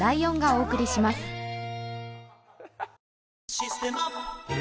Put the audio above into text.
「システマ」